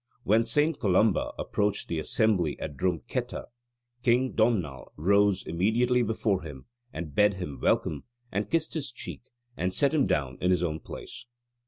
When St. Columba approached the assembly at Drum ketta, "King Domnall rose immediately before him, and bade him welcome, and kissed his cheek, and set him down in his own place."